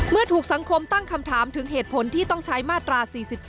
เมื่อถูกสังคมตั้งคำถามถึงเหตุผลที่ต้องใช้มาตรา๔๔